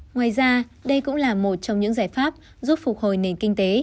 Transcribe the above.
ngoài ra đây cũng là một trong những giải pháp giúp phục hồi nền kinh tế